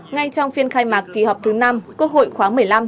ngay trong phiên khai mạc kỳ họp thứ năm quốc hội khoáng một mươi năm